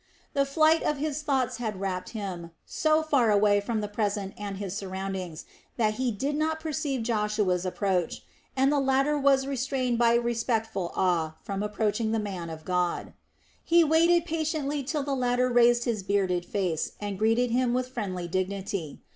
The flight of his thoughts had rapt him so far away from the present and his surroundings, that he did not perceive Joshua's approach, and the latter was restrained by respectful awe from approaching the man of God. He waited patiently till the latter raised his bearded face and greeted him with friendly dignity.